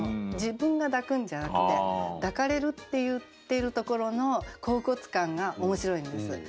自分が抱くんじゃなくて「抱かれる」って言ってるところの恍惚感が面白いんです。